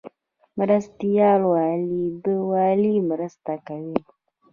مرستیال والی د والی مرسته کوي